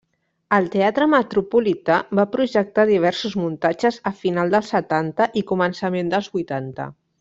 El Teatre Metropolità va projectar diversos muntatges a final dels setanta i començament dels vuitanta.